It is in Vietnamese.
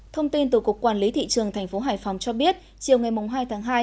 thông tin từ cục quản lý thị trường tp hải phòng cho biết chiều ngày hai tháng hai